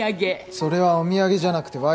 それはお土産じゃなくて賄賂だ。